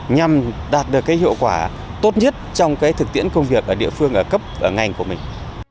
nhằm đạt được cái hiệu quả tốt nhất trong cái thực tiễn công việc ở địa phương ở cấp ở ngành